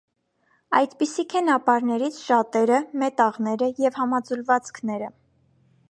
Այդպիսիք են ապարներից շատերը, մետաղները և համաձուլվածքները։